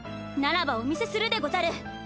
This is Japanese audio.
ならばお見せするでござる！